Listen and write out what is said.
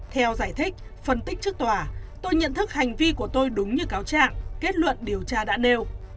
theo giải thích phân tích trước tòa tôi nhận thức hành vi của tôi đúng như cáo trạng kết luận điều tra đã nêu